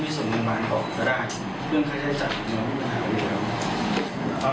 ได้ร่วมเคยจ่าย